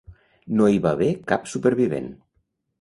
No hi va haver cap supervivent.